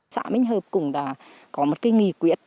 xã minh hợp cũng đã có một cái nghị quyết